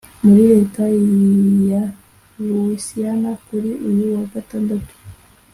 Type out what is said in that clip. muri Leta ya Louisiana kuri uyu wa Gatandatu